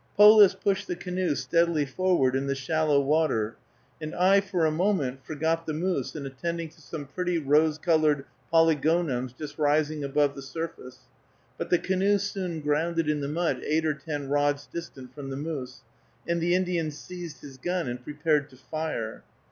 Polis pushed the canoe steadily forward in the shallow water, and I for a moment forgot the moose in attending to some pretty rose colored Polygonums just rising above the surface, but the canoe soon grounded in the mud eight or ten rods distant from the moose, and the Indian seized his gun and prepared to fire.